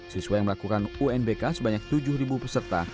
siswa yang melakukan unbk sebanyak tujuh peserta